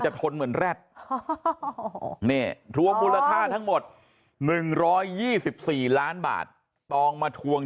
ทนเหมือนแร็ดทวงมูลค่าทั้งหมด๑๒๔ล้านบาทตองมาทวง